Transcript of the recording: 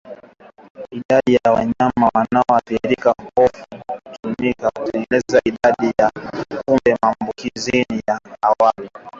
Idadi ya wanyama wanaoathirika hutofautiana kutegemea eneo idadi ya kupe maambukizi ya awali